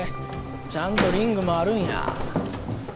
ちゃんとリングもあるんや。